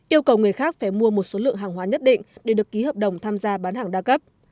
yêu cầu người khác phải mua một số lượng hàng hóa nhất định để được ký hợp đồng tham gia bán hàng đa cấp